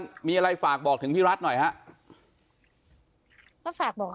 มีมีอะไรฝากบอกถึงครับ